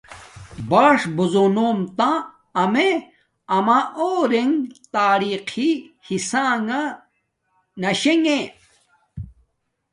باݽ بوزونوم تہ امیے اما اݸنݣ تاریخی حصہ نݣ نشنݣ